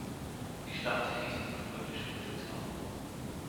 Die Stadt hieß ursprünglich Middle Town.